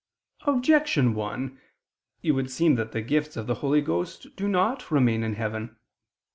Objection 1: It would seem that the gifts of the Holy Ghost do not remain in heaven.